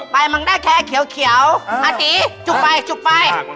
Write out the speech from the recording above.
ปลายมังได้แพงเขียวทำลายดีจุกไป